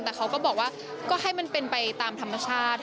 แต่เขาก็บอกว่าก็ให้มันเป็นไปตามธรรมชาติ